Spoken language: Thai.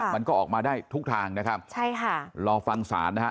มันก็ออกมาได้ทุกทางนะครับใช่ค่ะรอฟังศาลนะฮะ